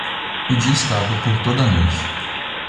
O dia escapa por toda a noite.